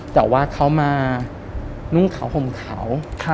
แต่ว่าเขามานุ่งขาวห่มเขา